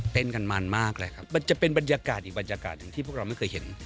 กันมันมากเลยครับมันจะเป็นบรรยากาศอีกบรรยากาศหนึ่งที่พวกเราไม่เคยเห็น